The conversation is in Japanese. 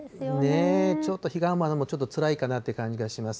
ちょっと彼岸花もちょっとつらいかなって感じがします。